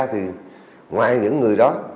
thì ngoài những người đó